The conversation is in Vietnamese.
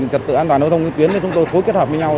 trật tự an toàn giao thông tuyến để chúng tôi